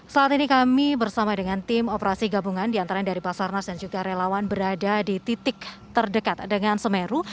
saat ini kami bersama dengan tim operasi gabungan diantaranya dari basarnas dan juga relawan berada di titik terdekat dengan semeru